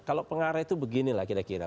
kalau pengarah itu beginilah kira kira